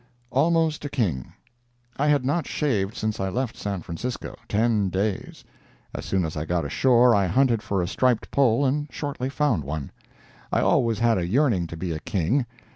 ALMOST A KING I had not shaved since I left San Francisco—ten days. As soon as I got ashore I hunted for a striped pole, and shortly found one. I always had a yearning to be a King.